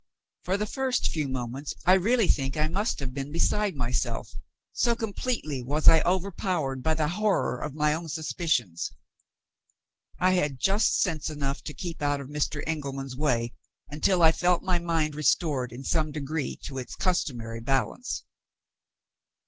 For the first few moments, I really think I must have been beside myself, so completely was I overpowered by the horror of my own suspicions. I had just sense enough to keep out of Mr. Engelman's way until I felt my mind restored in some degree to its customary balance.